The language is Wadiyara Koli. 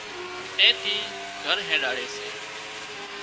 هانَ اين ٿي گھر هينڏاڙي سي